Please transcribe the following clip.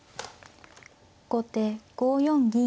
後手５四銀。